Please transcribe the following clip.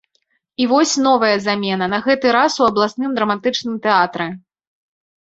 І вось новая замена, на гэты раз у абласным драматычным тэатры.